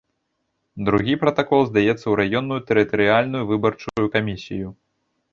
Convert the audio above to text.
Другі пратакол здаецца ў раённую тэрытарыяльную выбарчую камісію.